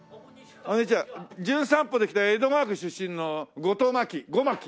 『じゅん散歩』で来た江戸川区出身の後藤真希ゴマキ。